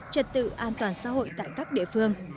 trật tự an toàn xã hội tại các địa phương